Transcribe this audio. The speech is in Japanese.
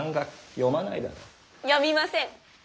読みません。